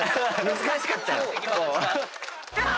難しかったよ。